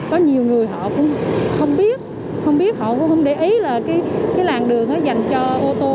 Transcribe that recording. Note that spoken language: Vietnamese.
có nhiều người họ cũng không biết họ cũng không để ý là cái làn đường dành cho ô tô